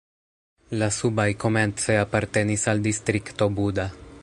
La subaj komence apartenis al Distrikto Buda.